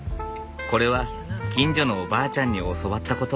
これは近所のおばあちゃんに教わったこと。